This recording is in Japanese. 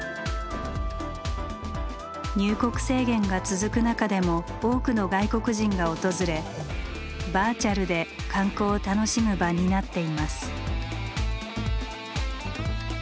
入国制限が続く中でも多くの外国人が訪れバーチャルで観光を楽しむ場になっています。